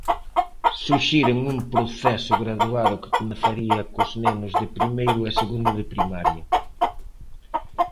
Suxiren un proceso graduado que comezaría cos nenos de primeiro e segundo de primaria.